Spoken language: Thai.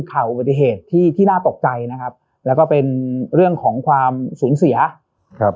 ข่าวอุบัติเหตุที่ที่น่าตกใจนะครับแล้วก็เป็นเรื่องของความสูญเสียครับ